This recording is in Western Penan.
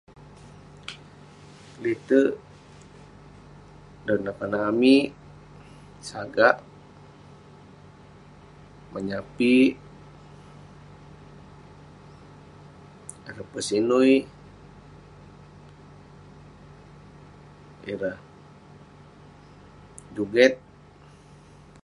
Lete'erk dan neh konak amik, sagak, menyapik, [unintelligible] pesinui, ireh juget.